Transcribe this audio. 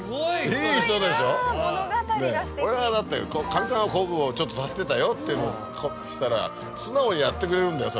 「カミさんは昆布をちょっと足してたよ」ってしたら素直にやってくれるんだよ